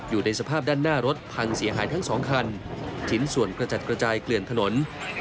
อยู่ในสภาพด้านหน้ารถพังเสียหายทั้งสองคันชิ้นส่วนกระจัดกระจายเกลื่อนถนน